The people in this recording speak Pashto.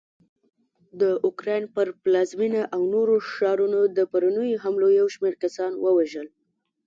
د اوکراین پر پلازمېنه او نورو ښارونو د پرونیو حملو یوشمېر کسان ووژل